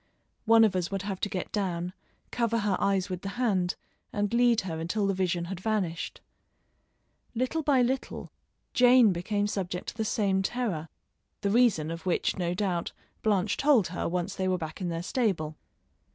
One of us would have to get down, cover her eyes with the hand and lead her until the vision had vanished. Little by little Jane became subject to the same terror, the reason of which, no doubt, Blanche told her once they were back in their stable.